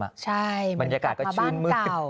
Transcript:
ใช่เหมือนกลับมาบ้านเก่ามันยากาศก็ชื่นเมื่อ